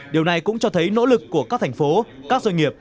điều này cũng cho thấy nỗ lực của các thành phố các doanh nghiệp